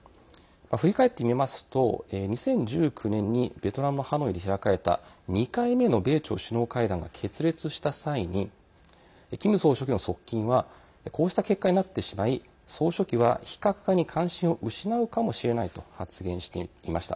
振り返ってみますと２０１９年にベトナムのハノイで開かれた２回目の米朝首脳会談が決裂した際にキム総書記の側近はこうした結果になってしまい総書記は非核化に関心を失うかもしれないと発言していました。